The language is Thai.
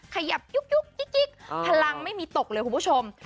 ขยับยุกพลังไม่มีตกเลยคุณผู้ชม